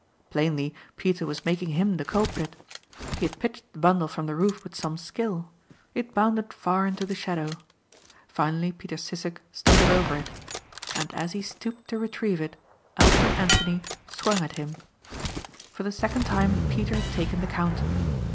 Plainly Peter was making him the culprit. He had pitched the bundle from the roof with some skill. It bounded far into the shadow. Finally Peter Sissek stumbled over it. And as he stooped to retrieve it, Alfred Anthony swung at him. For the second time Peter had taken the count.